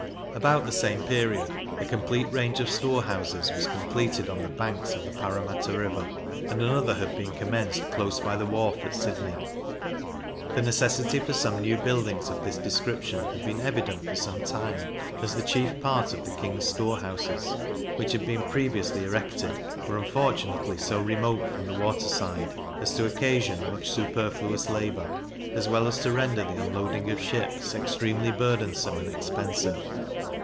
About the same period, a complete range of storehouses was completed on the banks of the Parramatta river, and another had been commenced close by the wharf at Sydney. The necessity for some new buildings of this description had been evident for some time, as the chief part of the King's storehouses, which had been previously erected, were unfortunately so remote from the water side, as to occasion much superfluous labour, as well as to render the unloading of ships extremely burdensome and expensive.